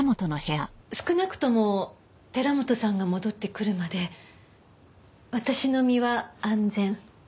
少なくとも寺本さんが戻ってくるまで私の身は安全。